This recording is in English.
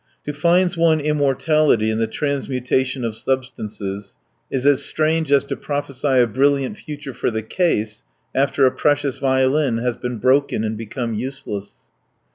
To find one's immortality in the transmutation of substances is as strange as to prophesy a brilliant future for the case after a precious violin has been broken and become useless.